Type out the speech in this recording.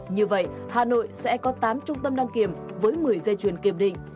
như vậy hà nội sẽ có tám trung tâm đăng kiểm với một mươi dây chuyền kiểm định